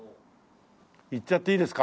いっちゃっていいですか？